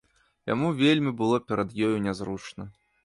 Яму вельмі было перад ёю нязручна.